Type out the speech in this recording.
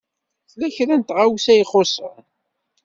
Tella kra n tɣawsa i ixuṣṣen.